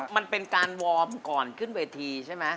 มันเป็นการวอร์มก่อนขึ้นเวทีใช่ไหม